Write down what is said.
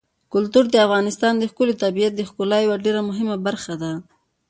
کلتور د افغانستان د ښکلي طبیعت د ښکلا یوه ډېره مهمه برخه ده.